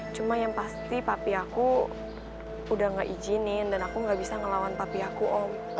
cuma yang pasti papi aku udah gak izinin dan aku gak bisa ngelawan papi aku om